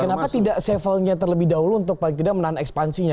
kenapa tidak sevelnya terlebih dahulu untuk paling tidak menahan ekspansinya